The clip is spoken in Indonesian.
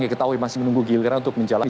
yang ketahui masih menunggu giliran untuk menjalani